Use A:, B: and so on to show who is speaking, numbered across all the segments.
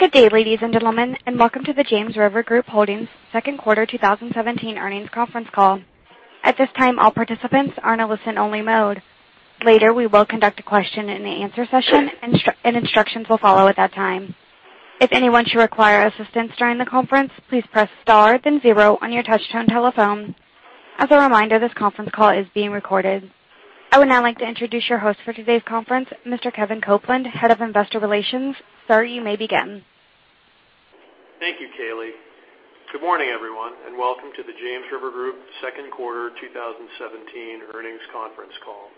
A: Good day, ladies and gentlemen, and welcome to the James River Group Holdings second quarter 2017 earnings conference call. At this time, all participants are in listen only mode. Later, we will conduct a question and answer session, and instructions will follow at that time. If anyone should require assistance during the conference, please press star then zero on your touchtone telephone. As a reminder, this conference call is being recorded. I would now like to introduce your host for today's conference, Mr. Kevin Copeland, Head of Investor Relations. Sir, you may begin.
B: Thank you, Kaylee. Good morning, everyone, and welcome to the James River Group second quarter 2017 earnings conference call.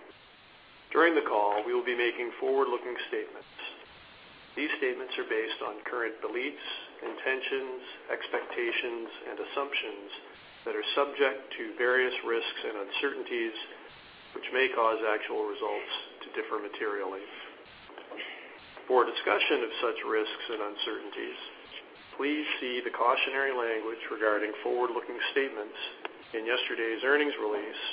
B: During the call, we will be making forward-looking statements. These statements are based on current beliefs, intentions, expectations, and assumptions that are subject to various risks and uncertainties, which may cause actual results to differ materially. For a discussion of such risks and uncertainties, please see the cautionary language regarding forward-looking statements in yesterday's earnings release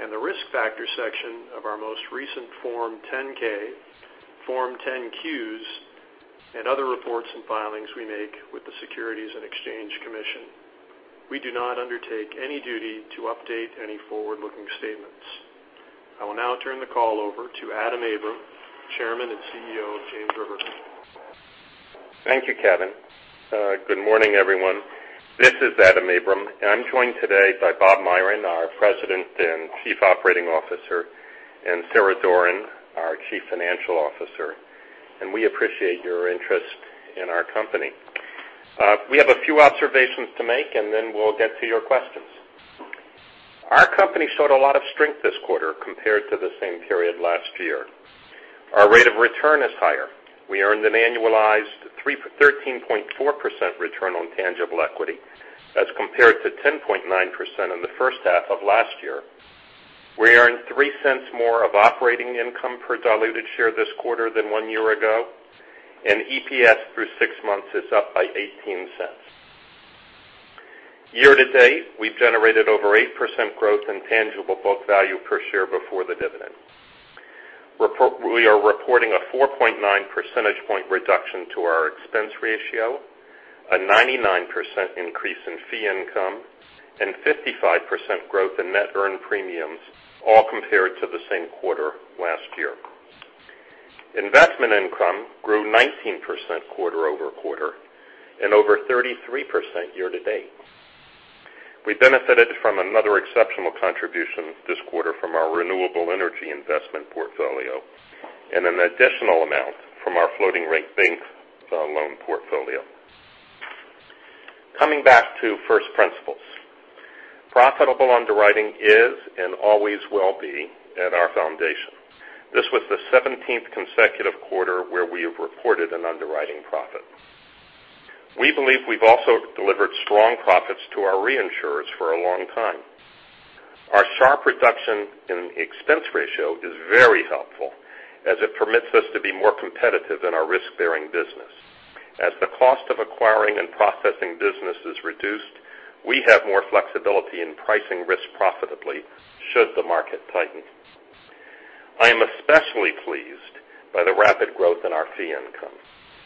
B: and the risk factors section of our most recent Form 10-K, Form 10-Qs, and other reports and filings we make with the Securities and Exchange Commission. We do not undertake any duty to update any forward-looking statements. I will now turn the call over to Adam Abram, Chairman and CEO of James River.
C: Thank you, Kevin. Good morning, everyone. This is Adam Abram, and I'm joined today by Bob Myron, our President and Chief Operating Officer, and Sarah Doran, our Chief Financial Officer. We appreciate your interest in our company. We have a few observations to make, and then we'll get to your questions. Our company showed a lot of strength this quarter compared to the same period last year. Our rate of return is higher. We earned an annualized 13.4% return on tangible equity as compared to 10.9% in the first half of last year. We earned $0.03 more of operating income per diluted share this quarter than one year ago, and EPS through six months is up by $0.18. Year-to-date, we've generated over 8% growth in tangible book value per share before the dividend. We are reporting a 4.9 percentage point reduction to our expense ratio, a 99% increase in fee income, and 55% growth in net earned premiums, all compared to the same quarter last year. Investment income grew 19% quarter-over-quarter and over 33% year-to-date. We benefited from another exceptional contribution this quarter from our renewable energy investment portfolio and an additional amount from our floating rate bank loan portfolio. Coming back to first principles, profitable underwriting is and always will be at our foundation. This was the 17th consecutive quarter where we have reported an underwriting profit. We believe we've also delivered strong profits to our reinsurers for a long time. Our sharp reduction in expense ratio is very helpful as it permits us to be more competitive in our risk-bearing business. As the cost of acquiring and processing business is reduced, we have more flexibility in pricing risk profitably should the market tighten. I am especially pleased by the rapid growth in our fee income.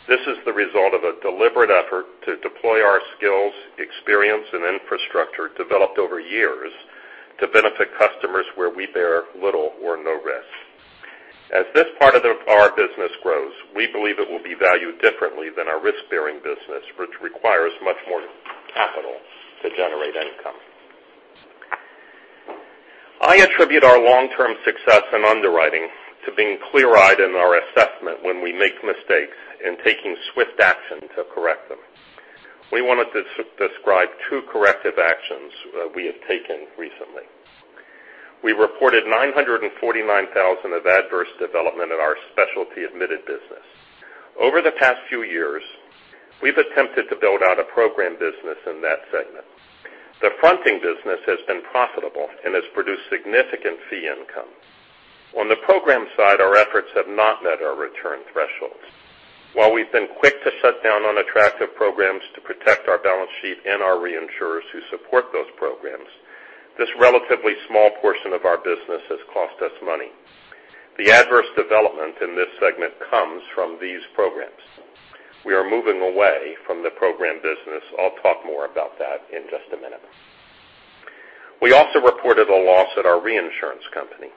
C: This is the result of a deliberate effort to deploy our skills, experience, and infrastructure developed over years to benefit customers where we bear little or no risk. As this part of our business grows, we believe it will be valued differently than our risk-bearing business, which requires much more capital to generate income. I attribute our long-term success in underwriting to being clear-eyed in our assessment when we make mistakes and taking swift action to correct them. We wanted to describe two corrective actions we have taken recently. We reported $949,000 of adverse development in our specialty admitted business. Over the past few years, we've attempted to build out a program business in that segment. The fronting business has been profitable and has produced significant fee income. On the program side, our efforts have not met our return thresholds. While we've been quick to shut down unattractive programs to protect our balance sheet and our reinsurers who support those programs, this relatively small portion of our business has cost us money. The adverse development in this segment comes from these programs. We are moving away from the program business. I'll talk more about that in just a minute. We also reported a loss at our reinsurance company.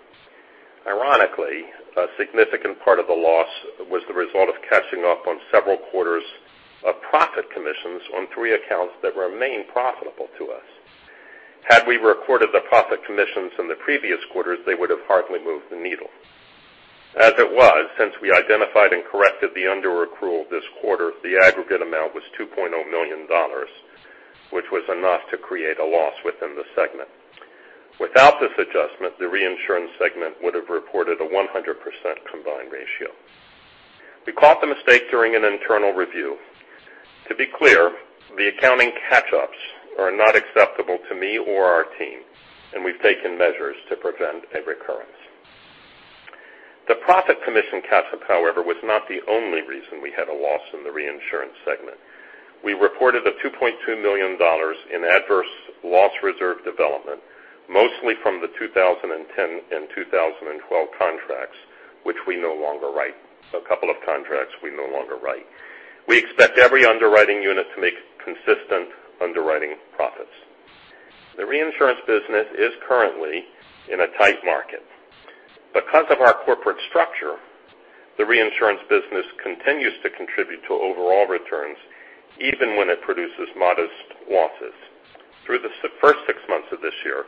C: Ironically, a significant part of the loss was the result of catching up on several quarters of profit commissions on three accounts that remain profitable to us. Had we reported the profit commissions in the previous quarters, they would have hardly moved the needle. As it was, since we identified and corrected the under-accrual this quarter, the aggregate amount was $2.0 million, which was enough to create a loss within the segment. Without this adjustment, the reinsurance segment would have reported a 100% combined ratio. We caught the mistake during an internal review. To be clear, the accounting catch-ups are not acceptable to me or our team, and we've taken measures to prevent a recurrence. The profit commission catch-up, however, was not the only reason we had a loss in the reinsurance segment. We reported a $2.2 million in adverse loss reserve development, mostly from the 2010 and 2012 contracts, which we no longer write. A couple of contracts we no longer write. We expect every underwriting unit to make consistent underwriting profits. The reinsurance business is currently in a tight market. Because of our corporate structure, the reinsurance business continues to contribute to overall returns even when it produces modest losses. Through the first six months of this year,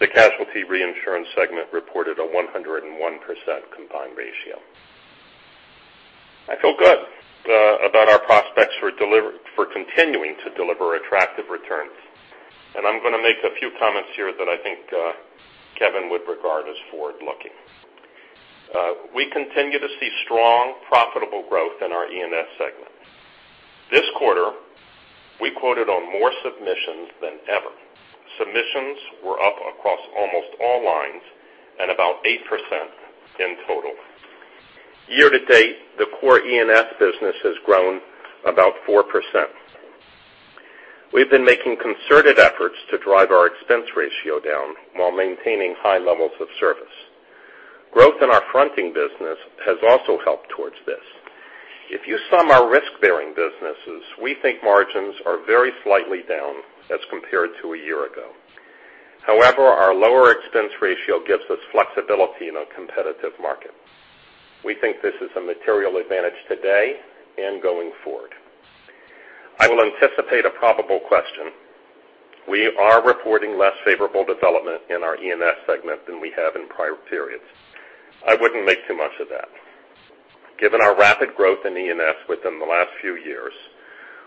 C: the casualty reinsurance segment reported a 101% combined ratio. I feel good about our prospects for continuing to deliver attractive returns, and I'm going to make a few comments here that I think Kevin would regard as forward-looking. We continue to see strong, profitable growth in our E&S segment. This quarter, we quoted on more submissions than ever. Submissions were up across almost all lines and about 8% in total. Year to date, the core E&S business has grown about 4%. We've been making concerted efforts to drive our expense ratio down while maintaining high levels of service. Growth in our fronting business has also helped towards this. If you sum our risk-bearing businesses, we think margins are very slightly down as compared to a year ago. However, our lower expense ratio gives us flexibility in a competitive market. We think this is a material advantage today and going forward. I will anticipate a probable question. We are reporting less favorable development in our E&S segment than we have in prior periods. I wouldn't make too much of that. Given our rapid growth in E&S within the last few years,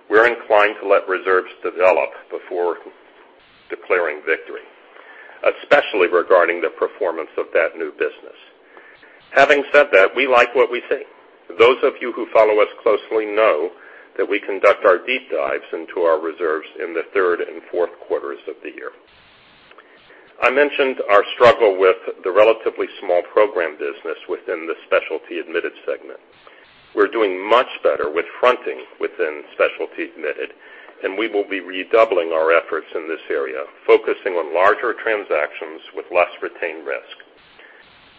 C: we're inclined to let reserves develop before declaring victory, especially regarding the performance of that new business. Having said that, we like what we see. Those of you who follow us closely know that we conduct our deep dives into our reserves in the third and fourth quarters of the year. I mentioned our struggle with the relatively small program business within the specialty admitted segment. We're doing much better with fronting within specialty admitted. We will be redoubling our efforts in this area, focusing on larger transactions with less retained risk.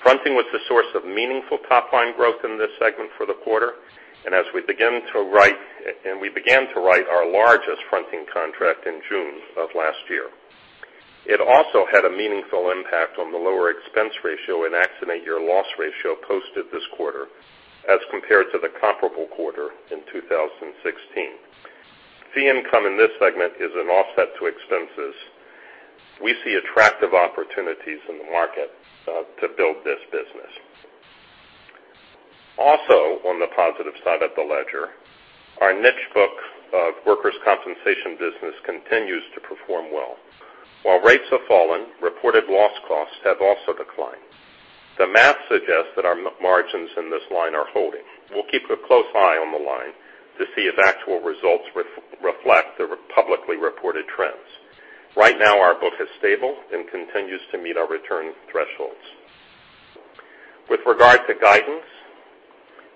C: Fronting was the source of meaningful top-line growth in this segment for the quarter. We began to write our largest fronting contract in June of last year. It also had a meaningful impact on the lower expense ratio and accident year loss ratio posted this quarter as compared to the comparable quarter in 2016. Fee income in this segment is an offset to expenses. We see attractive opportunities in the market to build this business. On the positive side of the ledger, our niche book of workers' compensation business continues to perform well. While rates have fallen, reported loss costs have also declined. The math suggests that our margins in this line are holding. We'll keep a close eye on the line to see if actual results reflect the publicly reported trends. Right now, our book is stable and continues to meet our return thresholds. With regard to guidance,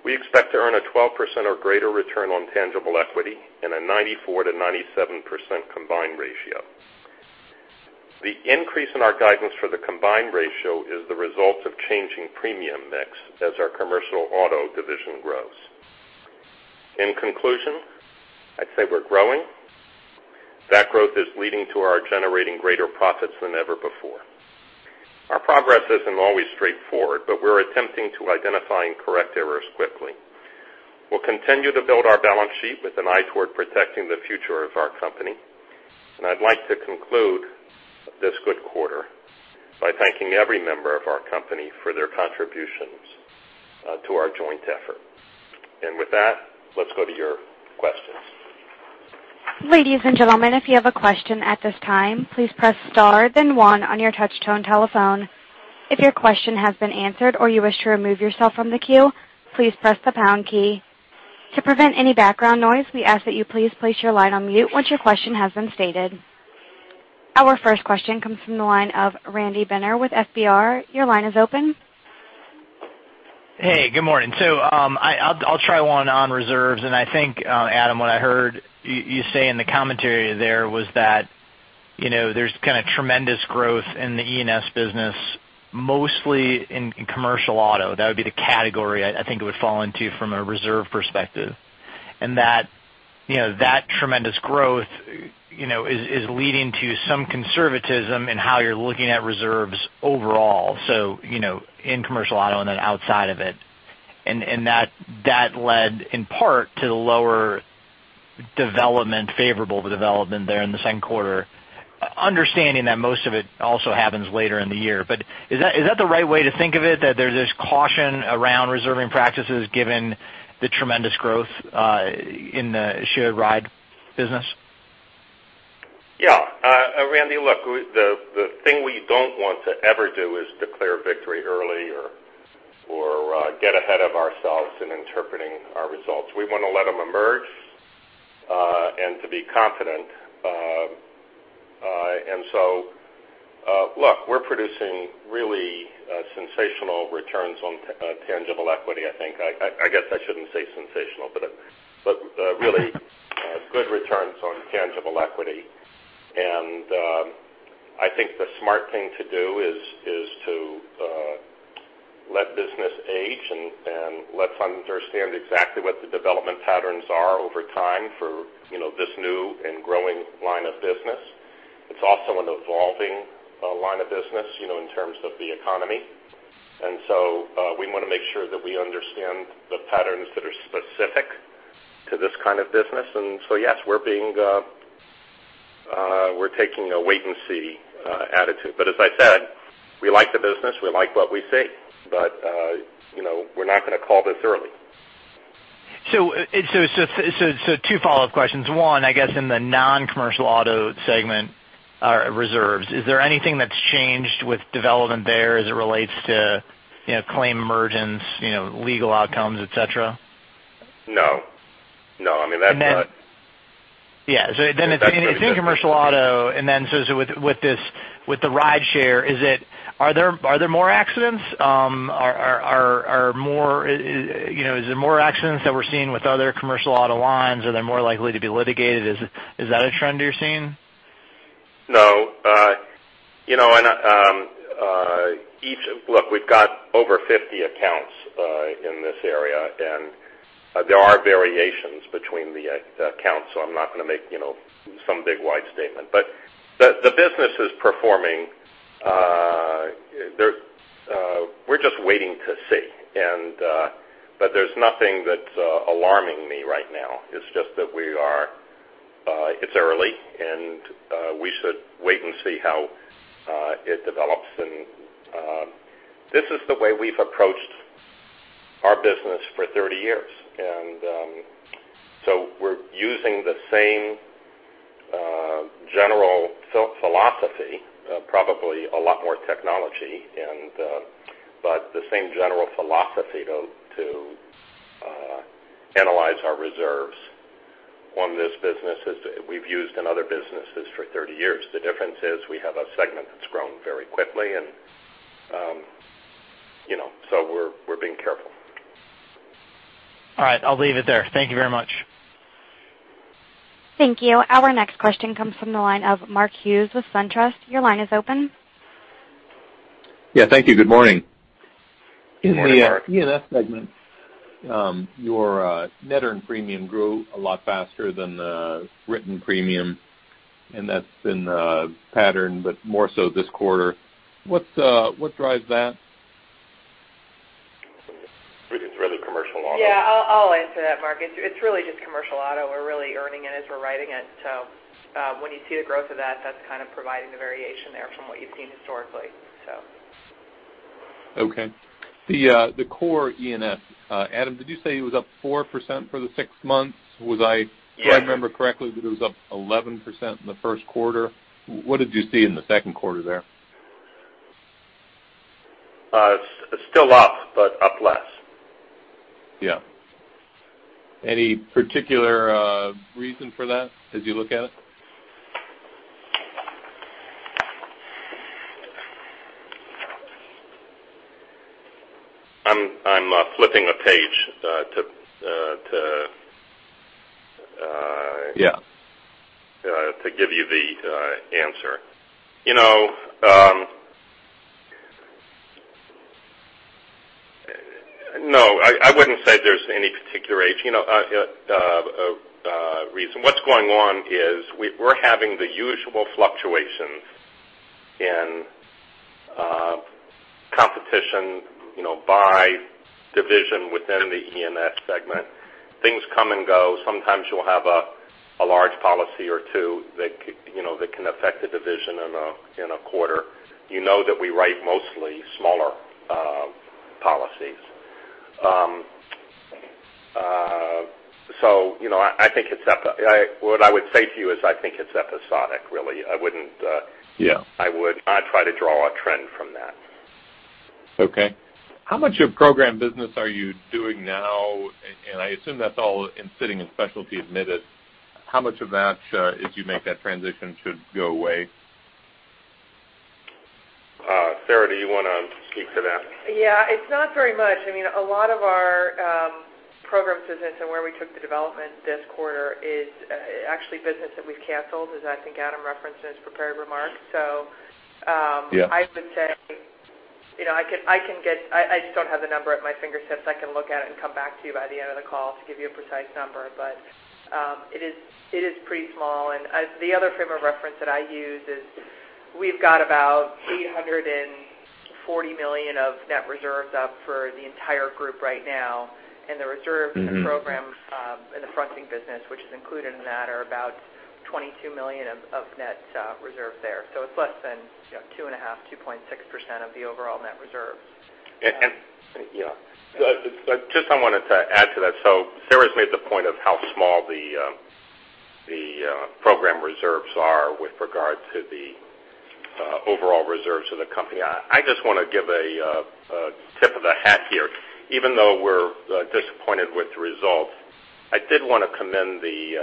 C: we expect to earn a 12% or greater return on tangible equity and a 94%-97% combined ratio. The increase in our guidance for the combined ratio is the result of changing premium mix as our commercial auto division grows. In conclusion, I'd say we're growing. That growth is leading to our generating greater profits than ever before. Our progress isn't always straightforward. We're attempting to identify and correct errors quickly. We'll continue to build our balance sheet with an eye toward protecting the future of our company. I'd like to conclude this good quarter by thanking every member of our company for their contributions to our joint effort. With that, let's go to your questions.
A: Ladies and gentlemen, if you have a question at this time, please press star then one on your touch-tone telephone. If your question has been answered or you wish to remove yourself from the queue, please press the pound key. To prevent any background noise, we ask that you please place your line on mute once your question has been stated. Our first question comes from the line of Randy Binner with FBR. Your line is open.
D: Hey, good morning. I'll try one on reserves, and I think, Adam, what I heard you say in the commentary there was that there's kind of tremendous growth in the E&S business, mostly in commercial auto. That would be the category I think it would fall into from a reserve perspective. That tremendous growth is leading to some conservatism in how you're looking at reserves overall, so in commercial auto and then outside of it. That led, in part, to the lower favorable development there in the second quarter. Understanding that most of it also happens later in the year. Is that the right way to think of it, that there's this caution around reserving practices given the tremendous growth in the shared ride business?
C: Yeah. Randy, look, the thing we don't want to ever do is declare victory early or get ahead of ourselves in interpreting our results. We want to let them emerge and to be confident. Look, we're producing really sensational returns on tangible equity. I guess I shouldn't say sensational, but really good returns on tangible equity. I think the smart thing to do is to let business age and let's understand exactly what the development patterns are over time for this new and growing line of business. It's also an evolving line of business in terms of the economy. We want to make sure that we understand the patterns that are specific to this kind of business. Yes, we're taking a wait and see attitude. As I said, we like the business. We like what we see. We're not going to call this early.
D: Two follow-up questions. One, I guess in the non-commercial auto segment reserves, is there anything that's changed with development there as it relates to claim emergence, legal outcomes, et cetera?
C: No.
D: And then-
C: That's what-
D: Yeah. It's in commercial auto, and then so with the ride share, are there more accidents? Is it more accidents that we're seeing with other commercial auto lines? Are they more likely to be litigated? Is that a trend you're seeing?
C: No. Look, we've got over 50 accounts in this area, and there are variations between the accounts, so I'm not going to make some big wide statement. The business is performing. We're just waiting to see. There's nothing that's alarming me right now. It's just that it's early, and we should wait and see how it develops. This is the way we've approached our business for 30 years. We're using the same general philosophy, probably a lot more technology, but the same general philosophy to analyze our reserves on this business as we've used in other businesses for 30 years. The difference is we have a segment that's grown very quickly, and so we're being careful.
D: All right, I'll leave it there. Thank you very much.
A: Thank you. Our next question comes from the line of Mark Hughes with SunTrust. Your line is open.
E: Yeah, thank you. Good morning.
C: Good morning, Mark.
E: In the E&S segment, your net earned premium grew a lot faster than the written premium, and that's been the pattern, but more so this quarter. What drives that?
C: It's really commercial auto.
F: Yeah, I'll answer that, Mark. It's really just commercial auto. We're really earning it as we're writing it. When you see the growth of that's kind of providing the variation there from what you've seen historically.
E: Okay. The core E&S, Adam, did you say it was up 4% for the six months?
C: Yes
E: Do I remember correctly that it was up 11% in the first quarter? What did you see in the second quarter there?
C: It's still up, but up less.
E: Yeah. Any particular reason for that as you look at it?
C: I'm flipping a page.
E: Yeah
C: to give you the answer. No, I wouldn't say there's any particular reason. What's going on is we're having the usual fluctuations in competition by division within the E&S segment. Things come and go. Sometimes you'll have a large policy or two that can affect a division in a quarter. You know that we write mostly smaller policies. What I would say to you is I think it's episodic, really.
E: Yeah
C: I try to draw a trend from that.
E: Okay. How much of program business are you doing now? I assume that's all sitting in specialty admitted. How much of that, as you make that transition, should go away?
C: Sarah, do you want to speak to that?
F: Yeah. It's not very much. A lot of our program business and where we took the development this quarter is actually business that we've canceled, as I think Adam referenced in his prepared remarks.
E: Yeah
F: I would say I just don't have the number at my fingertips. I can look at it and come back to you by the end of the call to give you a precise number. It is pretty small. The other frame of reference that I use is we've got about $840 million of net reserves up for the entire group right now, and the reserves- in the program in the fronting business, which is included in that, are about $22 million of net reserve there. It's less than 2.5%, 2.6% of the overall net reserve.
C: Yeah. Just I wanted to add to that. Sarah's made the point of how small the program reserves are with regard to the overall reserves of the company. I just want to give a tip of the hat here. Even though we're disappointed with the result, I did want to commend the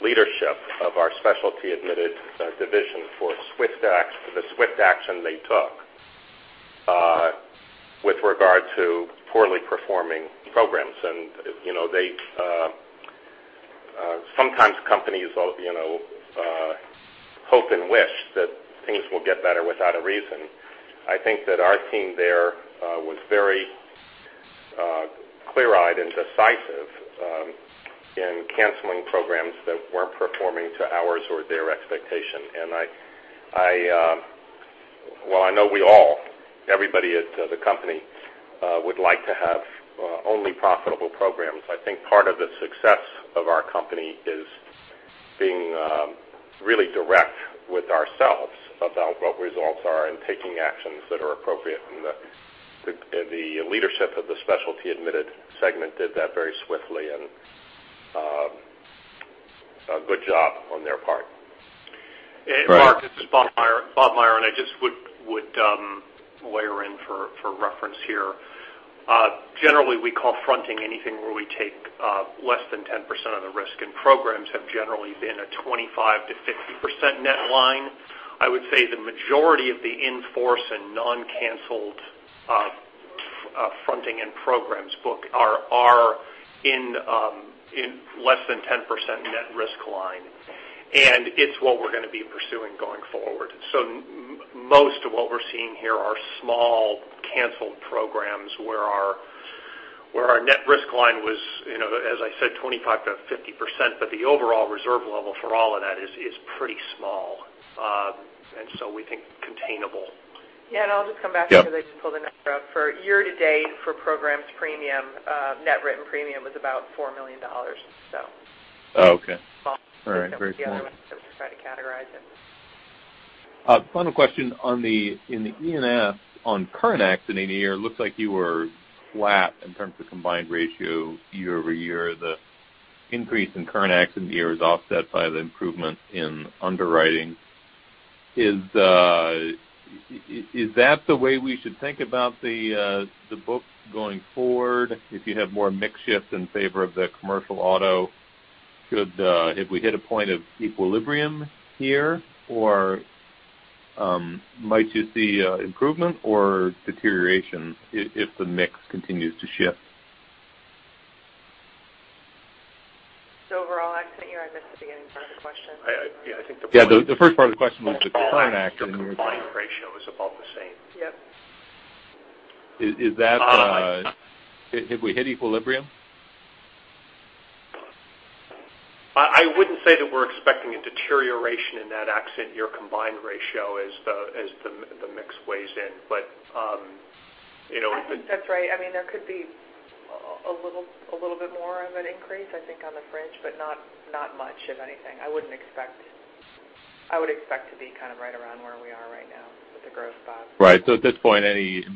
C: leadership of our specialty admitted division for the swift action they took with regard to poorly performing programs. Sometimes companies hope and wish that things will get better without a reason. I think that our team there was very clear-eyed and decisive in canceling programs that weren't performing to ours or their expectation. While I know we all, everybody at the company, would like to have only profitable programs, I think part of the success of our company is being really direct with ourselves about what results are and taking actions that are appropriate. The leadership of the specialty admitted segment did that very swiftly and good job on their part.
G: Mark, this is Bob Myron. I just would layer in for reference here. Generally, we call fronting anything where we take less than 10% of the risk, programs have generally been a 25%-50% net line. I would say the majority of the in-force and non-canceled fronting and programs book are in less than 10% net risk line. It's what we're going to be pursuing going forward. Most of what we're seeing here are small canceled programs where our net risk line was, as I said, 25%-50%, but the overall reserve level for all of that is pretty small. We think containable.
F: Yeah, I'll just come back because I just pulled the number up. For year-to-date for programs premium, net written premium was about $4 million.
E: Oh, okay. All right. Very clear.
F: The other one to try to categorize it.
E: Final question. In the E&S, on current accident year, it looks like you were flat in terms of combined ratio year-over-year. The increase in current accident year is offset by the improvement in underwriting. Is that the way we should think about the book going forward? If you have more mix shift in favor of the commercial auto, if we hit a point of equilibrium here or might you see improvement or deterioration if the mix continues to shift?
F: Overall accident year, I missed the beginning part of the question.
G: Yeah, I think the-
E: Yeah, the first part of the question was the current accident year.
G: Combined ratio is about the same.
F: Yep.
E: Have we hit equilibrium?
G: I wouldn't say that we're expecting a deterioration in that accident year combined ratio as the mix weighs in.
F: I think that's right. There could be a little bit more of an increase, I think, on the fringe, but not much, if anything. I would expect to be kind of right around where we are right now with the growth spots.
E: Right. At this point, any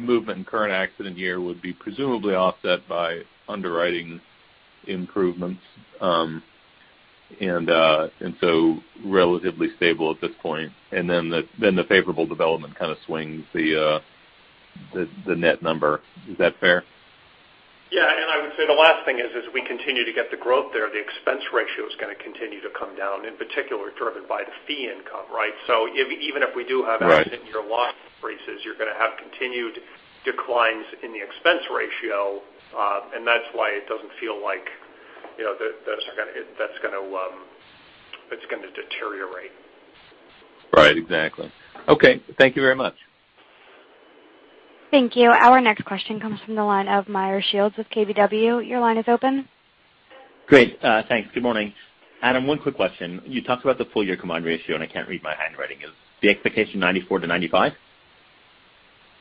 E: movement in current accident year would be presumably offset by underwriting improvements, relatively stable at this point. Then the favorable development kind of swings the net number. Is that fair?
G: Yeah, I would say the last thing is, as we continue to get the growth there, the expense ratio is going to continue to come down, in particular driven by the fee income, right? Even if we do have
E: Right
G: accident year loss increases, you're going to have continued declines in the expense ratio. That's why it doesn't feel like that's going to deteriorate.
E: Right. Exactly. Okay. Thank you very much.
A: Thank you. Our next question comes from the line of Meyer Shields with KBW. Your line is open.
H: Great. Thanks. Good morning. Adam, one quick question. You talked about the full year combined ratio. I can't read my handwriting. Is the expectation 94 to 95?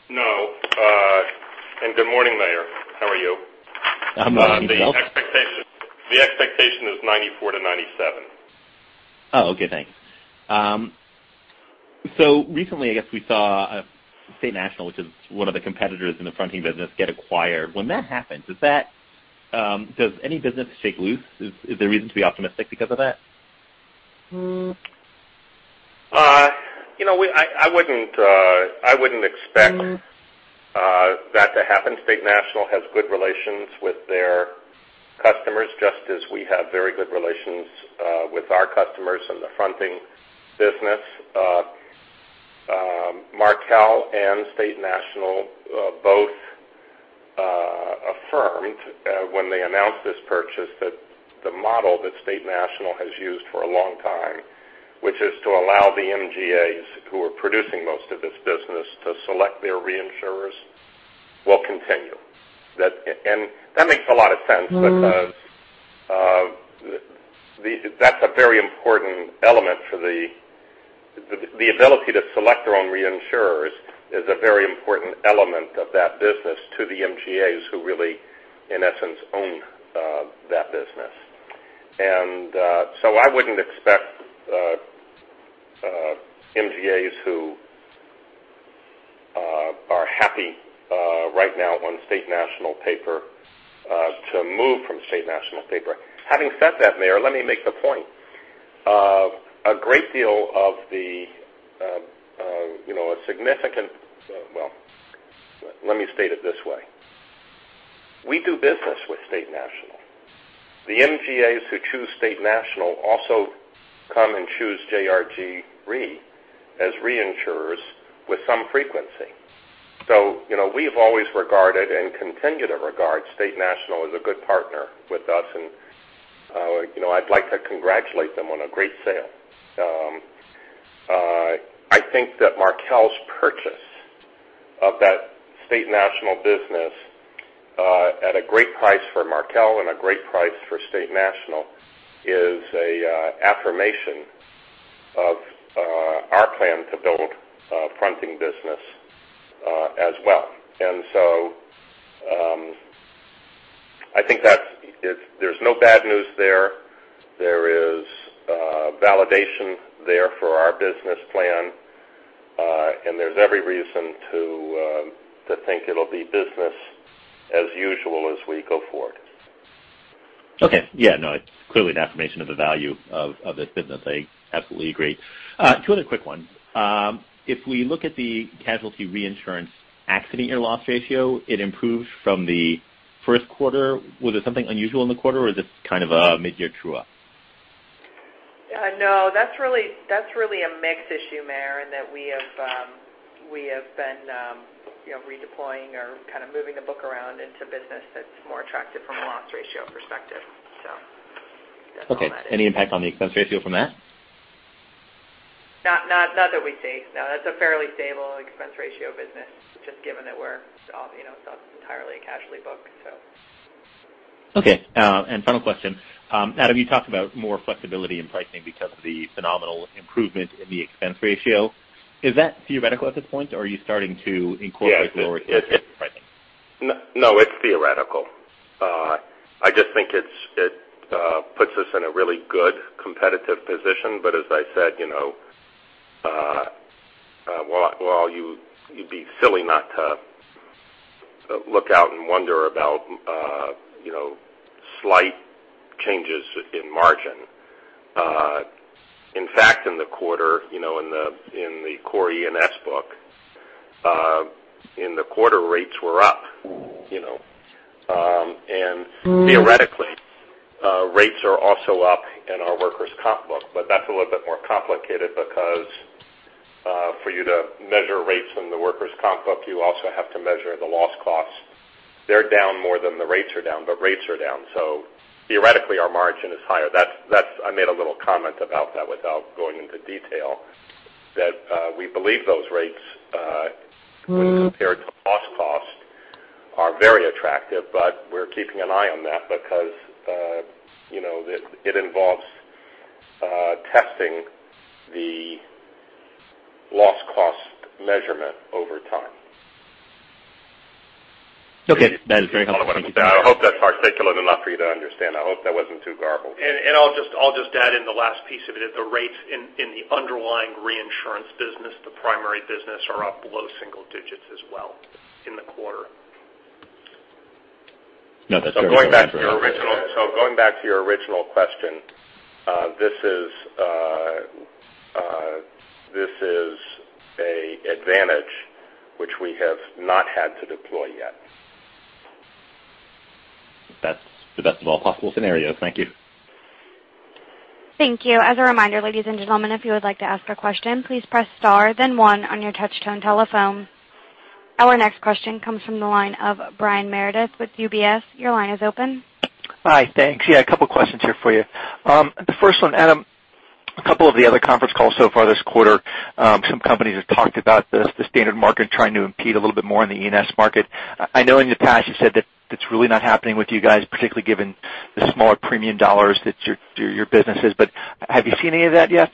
C: No. Good morning, Meyer. How are you?
H: I'm well.
C: The expectation is 94 to 97.
H: Oh, okay. Thanks. Recently, I guess we saw State National, which is one of the competitors in the fronting business, get acquired. When that happens, does any business shake loose? Is there reason to be optimistic because of that?
C: I wouldn't expect that to happen. State National has good relations with their customers, just as we have very good relations with our customers in the fronting business. Markel and State National both affirmed when they announced this purchase that the model that State National has used for a long time, which is to allow the MGAs who are producing most of this business to select their reinsurers, will continue. That makes a lot of sense because that's a very important element. The ability to select their own reinsurers is a very important element of that business to the MGAs who really, in essence, own that business. I wouldn't expect MGAs who are happy right now on State National paper to move from State National paper. Having said that, Meyer, let me make the point. Well, let me state it this way. We do business with State National. The MGAs who choose State National also come and choose JRG Re as reinsurers with some frequency. We've always regarded and continue to regard State National as a good partner with us, and I'd like to congratulate them on a great sale. I think that Markel's purchase of that State National business, at a great price for Markel and a great price for State National, is a affirmation of our plan to build fronting business as well. I think there's no bad news there. There is validation there for our business plan. There's every reason to think it'll be business as usual as we go forward.
H: Okay. Yeah, no, it's clearly an affirmation of the value of this business. I absolutely agree. Two other quick ones. If we look at the casualty reinsurance accident year loss ratio, it improved from the first quarter. Was it something unusual in the quarter or is this kind of a mid-year true up?
F: No, that's really a mix issue, Meyer, in that we have been redeploying or kind of moving the book around into business that's more attractive from a loss ratio perspective. That's all that is.
H: Okay. Any impact on the expense ratio from that?
F: Not that we see. No, that's a fairly stable expense ratio business, just given that we're not entirely a casualty book.
H: Okay. Final question. Adam, you talked about more flexibility in pricing because of the phenomenal improvement in the expense ratio. Is that theoretical at this point, or are you starting to incorporate lower expense pricing?
C: It's theoretical. I just think it puts us in a really good competitive position. As I said, while you'd be silly not to look out and wonder about slight changes in margin. In fact, in the quarter, in the core E&S book, in the quarter, rates were up. Theoretically, rates are also up in our workers' comp book, but that's a little bit more complicated because for you to measure rates in the workers' comp book, you also have to measure the loss costs. They're down more than the rates are down, but rates are down. Theoretically, our margin is higher. I made a little comment about that without going into detail, that we believe those rates, when compared to loss costs, are very attractive. We're keeping an eye on that because it involves testing the loss cost measurement over time.
H: Okay. That is very helpful. Thank you.
C: I hope that's articulable enough for you to understand. I hope that wasn't too garbled.
G: I'll just add in the last piece of it, the rates in the underlying reinsurance business, the primary business, are up low single digits as well in the quarter.
H: No, that's very helpful.
C: going back to your original question, this is a advantage which we have not had to deploy yet.
H: That's the best of all possible scenarios. Thank you.
A: Thank you. As a reminder, ladies and gentlemen, if you would like to ask a question, please press star then one on your touchtone telephone. Our next question comes from the line of Brian Meredith with UBS. Your line is open.
I: Hi. Thanks. Yeah, a couple questions here for you. The first one, Adam, a couple of the other conference calls so far this quarter, some companies have talked about the standard market trying to impede a little bit more in the E&S market. I know in the past you said that that's really not happening with you guys, particularly given the smaller premium dollars that your business is, but have you seen any of that yet?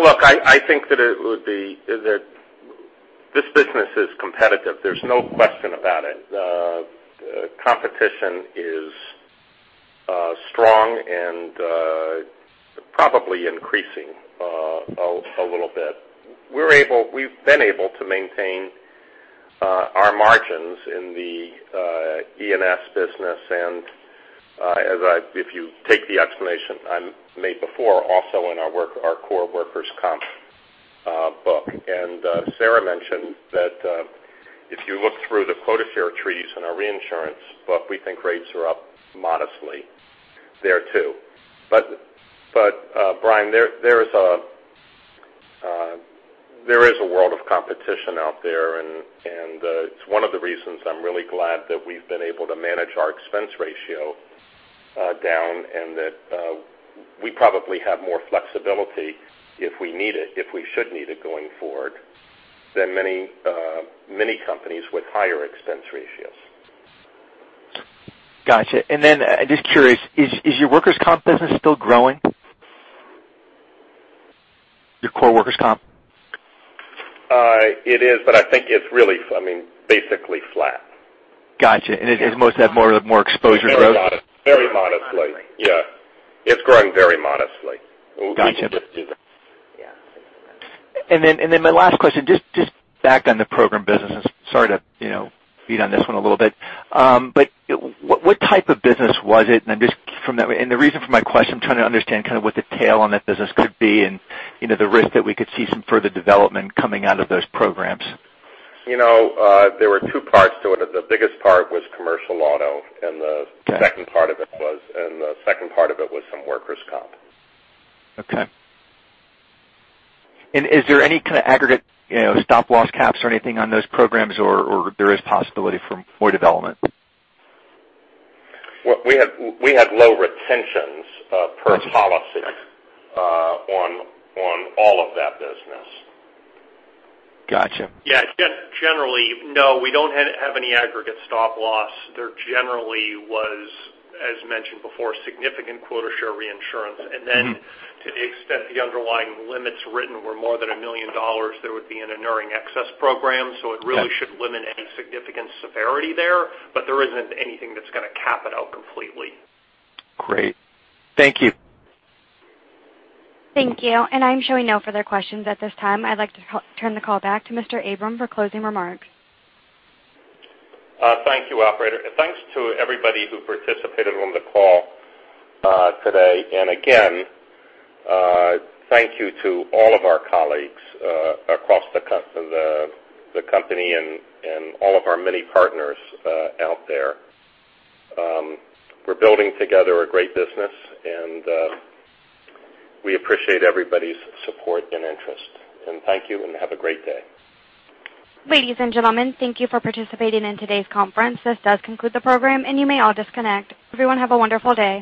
C: Look, I think that this business is competitive. There's no question about it. Competition is strong and probably increasing a little bit. We've been able to maintain our margins in the E&S business and if you take the explanation I made before, also in our core workers' comp book. Sarah mentioned that if you look through the quota share treaties in our reinsurance book, we think rates are up modestly there too. Brian, there is a world of competition out there, and it's one of the reasons I'm really glad that we've been able to manage our expense ratio down and that we probably have more flexibility if we need it, if we should need it going forward, than many companies with higher expense ratios.
I: Got you. Then, just curious, is your workers' comp business still growing? Your core workers' comp?
C: It is, but I think it's really basically flat.
I: Got you. It's mostly had more exposure growth?
C: Very modestly. Yeah. It's growing very modestly.
I: Got you.
C: We just do that.
I: My last question, just back on the program business, sorry to beat on this one a little bit. What type of business was it? The reason for my question, I'm trying to understand kind of what the tail on that business could be and the risk that we could see some further development coming out of those programs.
C: There were two parts to it. The biggest part was commercial auto.
I: Okay.
C: The second part of it was some workers' comp.
I: Okay. Is there any kind of aggregate stop loss caps or anything on those programs, or there is possibility for more development?
C: We had low retentions per policy on all of that business.
I: Got you.
G: Yeah. Generally, no, we don't have any aggregate stop-loss. There generally was, as mentioned before, significant quota share reinsurance. Then to the extent the underlying limits written were more than $1 million, there would be an inuring excess program. It really should limit any significant severity there, but there isn't anything that's going to cap it out completely.
I: Great. Thank you.
A: Thank you. I'm showing no further questions at this time. I'd like to turn the call back to Mr. Abram for closing remarks.
C: Thank you, operator. Thanks to everybody who participated on the call today. Again, thank you to all of our colleagues across the company and all of our many partners out there. We're building together a great business, and we appreciate everybody's support and interest. Thank you, and have a great day.
A: Ladies and gentlemen, thank you for participating in today's conference. This does conclude the program, and you may all disconnect. Everyone have a wonderful day.